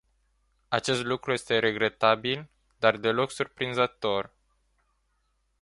Acest lucru este regretabil, dar deloc surprinzător.